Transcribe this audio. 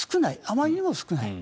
あまりにも少ない。